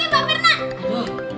ya bebas satu dua